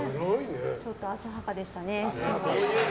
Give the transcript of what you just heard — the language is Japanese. ちょっとあさはかでしたね。